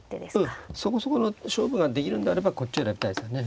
そこそこの勝負ができるんであればこっちを選びたいですよね。